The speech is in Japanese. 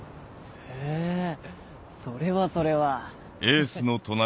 へぇそれはそれはヘヘっ。